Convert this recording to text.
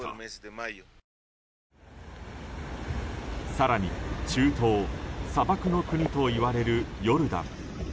更に、中東砂漠の国といわれるヨルダン。